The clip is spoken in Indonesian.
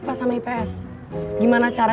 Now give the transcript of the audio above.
perasaan sih gue record